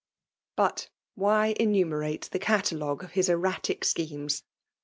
But why enu« rAierate the catalogue of his erratic schemes?